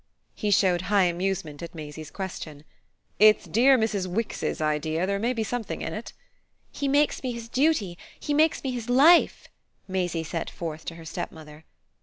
He showed high amusement at Maisie's question. "It's dear Mrs. Wix's idea. There may be something in it." "He makes me his duty he makes me his life," Maisie set forth to her stepmother.